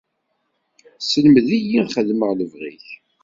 Sselmed-iyi ad xeddmeɣ lebɣi-k.